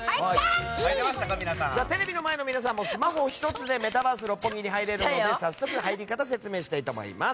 テレビの前の皆さんもスマホ１つでメタバース六本木に入れるので早速入り方を説明したいと思います。